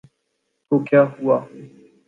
تو کیا ہوا۔